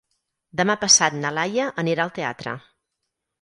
Demà passat na Laia anirà al teatre.